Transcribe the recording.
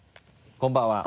こんばんは。